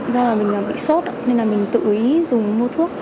do là mình bị sốt nên là mình tự ý dùng mua thuốc